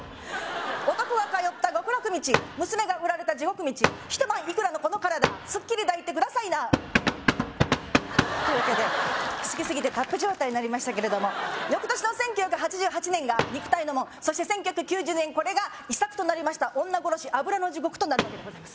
「男が通った極楽道娘が売られた地獄道」「一晩いくらのこの体スッキリ抱いてくださいな」というわけで好きすぎてタップ状態になりましたけれども翌年の１９８８年が「肉体の門」そして１９９０年これが遺作となりました「女殺油地獄」となるわけでございます